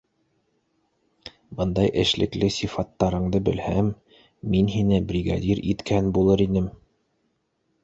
Бындай эшлекле сифаттарыңды белһәм, мин һине бригадир иткән булыр инем...